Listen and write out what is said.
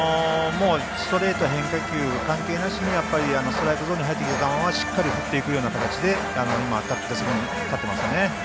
ストレート、変化球関係なしにストライクゾーンに入ってきた球はしっかり振っていく形で今、打席に立っていますね。